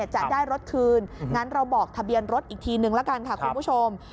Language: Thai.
จะได้รถคืนงั้นเราบอกทะเบียนรถอีกทีนึงละกันค่ะคุณผู้ชม